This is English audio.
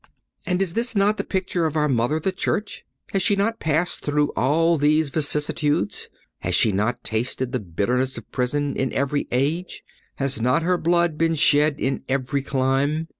And is not this a picture of our Mother, the Church? Has she not passed through all these vicissitudes? Has she not tasted the bitterness of prison in every age? Has not her blood been shed in every clime?